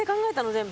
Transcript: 全部。